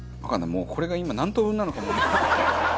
もうこれが今何等分なのかも。